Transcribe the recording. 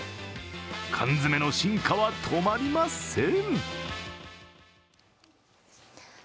缶詰の進化は止まりません。